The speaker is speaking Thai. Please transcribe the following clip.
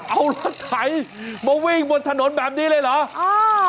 เอารถไถมาวิ่งบนถนนแบบนี้เลยเหรอ